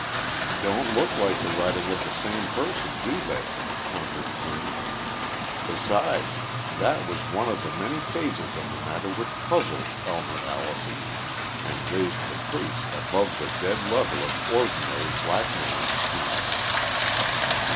"Don't look like the writing of the same person, do they?" countered Quinn. "Besides, that was one of the many phases of the matter which puzzled Elmer Allison, and raised the case above the dead level of ordinary blackmailing schemes."